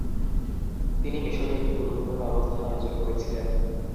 তিনি মিশরে একটি গুরুত্বপূর্ণ অবস্থান অর্জন করেছিলেন।